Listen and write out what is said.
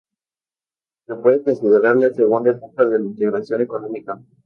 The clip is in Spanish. Se puede considerar la segunda etapa de la integración económica.